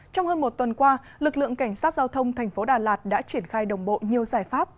trong hơn một tuần qua lực lượng cảnh sát giao thông thành phố đà lạt đã triển khai đồng bộ nhiều giải pháp